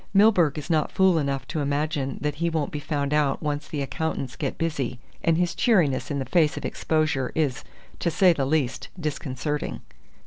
Milburgh is not fool enough to imagine that he won't be found out once the accountants get busy, and his cheeriness in face of exposure is to say the least disconcerting."